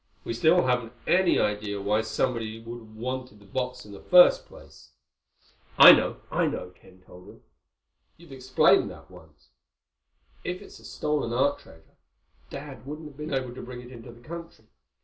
We still haven't any idea why somebody should have wanted the box in the first place." "I know. I know," Ken told him. "You've explained that once. If it's a stolen art treasure, Dad wouldn't have been able to bring it into the country.